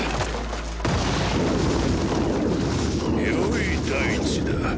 良い大地だ。